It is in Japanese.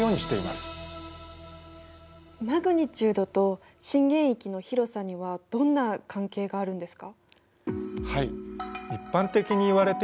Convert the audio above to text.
マグニチュードと震源域の広さにはどんな関係があるんですか？